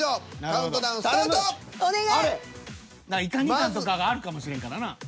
いか２貫とかがあるかもしれんからな。